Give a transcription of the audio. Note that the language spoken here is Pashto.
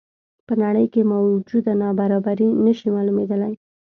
په نړۍ کې موجوده نابرابري نه شي معلومېدلی.